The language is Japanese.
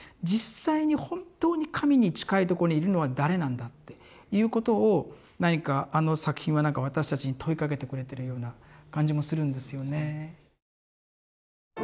実際に本当に神に近いとこにいるのは誰なんだっていうことを何かあの作品はなんか私たちに問いかけてくれてるような感じもするんですよね。